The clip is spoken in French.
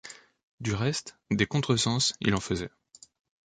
Du reste, des contre-sens, il en faisait.